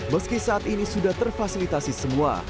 meski saat ini sudah terfasilitasi semua